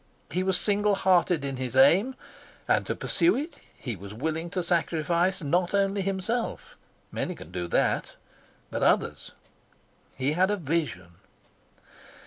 He was single hearted in his aim, and to pursue it he was willing to sacrifice not only himself many can do that but others. He had a vision.